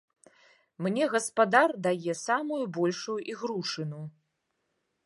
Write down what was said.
Мне гаспадар дае самую большую ігрушыну.